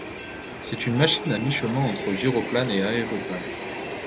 C'est une machine à mi-chemin entre gyroplane et aéroplane.